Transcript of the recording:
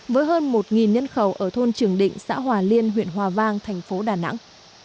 với hơn một nhân khẩu ở thôn trường định xã hòa liên huyện hòa vang thành phố đà nẵng